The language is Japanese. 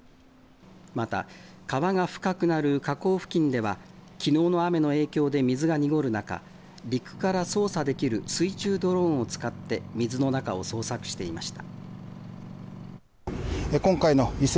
また、川が深くなる河口付近ではきのうの雨の影響で水が濁る中陸から操作できる水中ドローンを使って水の中を捜索していました。